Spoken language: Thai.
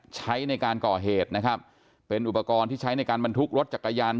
ใช้ในการก่อเหตุนะครับเป็นอุปกรณ์ที่ใช้ในการบรรทุกรถจักรยาน